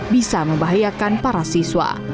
bisa membahayakan para siswa